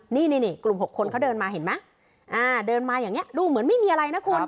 นี่กลุ่ม๖คนเขาเดินมาเห็นไหมเดินมาอย่างนี้ดูเหมือนไม่มีอะไรนะคุณ